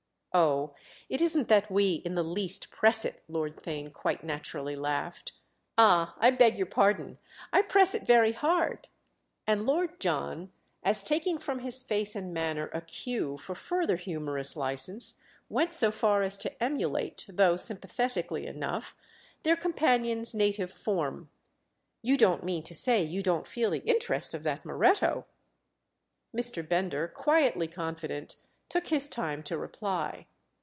"Oh, it isn't that we in the least press it!" Lord Theign quite naturally laughed. "Ah, I beg your pardon—I press it very hard!" And Lord John, as taking from his face and manner a cue for further humorous license, went so far as to emulate, though sympathetically enough, their companion's native form. "You don't mean to say you don't feel the interest of that Moretto?" Mr. Bender, quietly confident, took his time to reply.